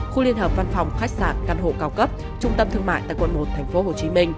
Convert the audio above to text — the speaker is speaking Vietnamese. khu liên hợp văn phòng khách sạn căn hộ cao cấp trung tâm thương mại tại quận một tp hcm